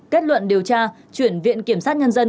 kết luận điều tra chuyển viện kiểm sát nhân dân